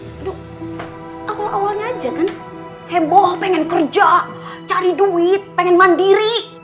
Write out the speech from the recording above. aduh awal awalnya aja kan heboh pengen kerja cari duit pengen mandiri